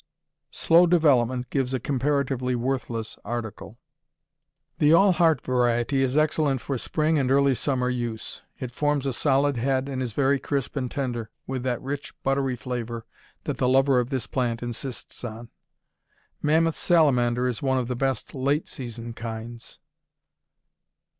Slow development gives a comparatively worthless article. The All Heart variety is excellent for spring and early summer use. It forms a solid head, and is very crisp and tender, with that rich, buttery flavor that the lover of this plant insists on. Mammoth Salamander is one of the best late season kinds.